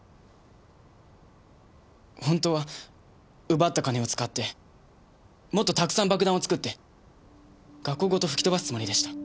本当は奪った金を使ってもっとたくさん爆弾を作って学校ごと吹き飛ばすつもりでした。